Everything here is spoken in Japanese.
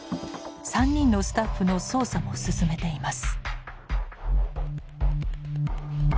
３人のスタッフの捜査も進めています。